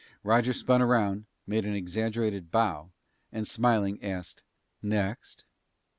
Roger spun around, made an exaggerated bow, and smiling, asked, "Next?"